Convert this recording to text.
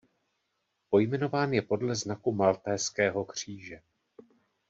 Pojmenován je podle znaku maltézského kříže.